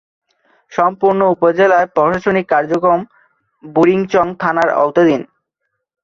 সম্পূর্ণ উপজেলার প্রশাসনিক কার্যক্রম বুড়িচং থানার আওতাধীন।